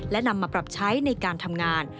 และนำมาปรับใช้ในการทำงาน